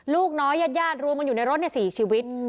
ลูกน้อยญาติญาติรวมกันอยู่ในรถ๔ชีวิต